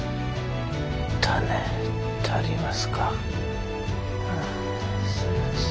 種足りますか？